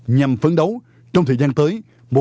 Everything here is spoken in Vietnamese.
nhằm phấn đấu trong thời gian tới